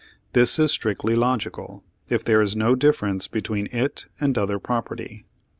This is strictly logical, if there is no difference between it and other property.